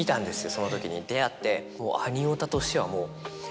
その時に出会って。